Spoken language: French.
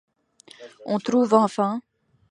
On trouve enfin.